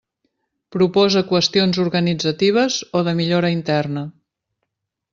Proposa qüestions organitzatives o de millora interna.